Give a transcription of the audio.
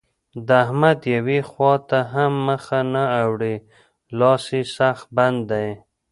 د احمد يوې خوا ته هم مخ نه اوړي؛ لاس يې سخت بند دی.